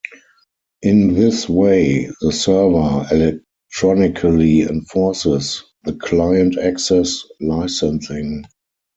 In this way, the server "electronically enforces" the Client Access licensing.